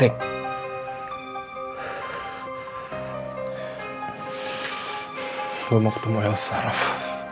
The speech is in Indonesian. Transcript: gue mau ketemu elsa raff